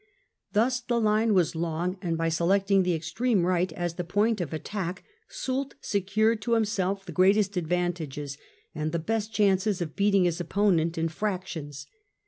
Thus the line was long, and by selecting the extreme right as the point of attack Soult secured to himself the greatest advantages and the best chances of beating his opponent in fractions.